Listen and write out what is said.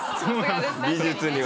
美術には。